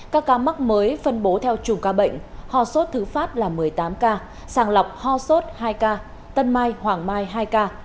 các ca mắc mới phân bố theo chùm ca bệnh ho sốt thứ phát là một mươi tám ca sàng lọc ho sốt hai ca tân mai hoàng mai hai ca